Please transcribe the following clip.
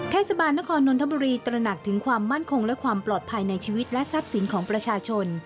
เทศบาลนครนนทบุรีตระหนักถึงความมั่นคงและความปลอดภัยในชีวิตและทรัพย์สินของประชาชน